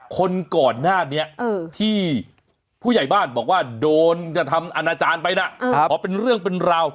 คนก่อนหน้านี้ที่ผู้ใหญ่บ้านบอกว่าโดนกระทำอนาจารย์ไปนะขอเป็นเรื่องเป็นราว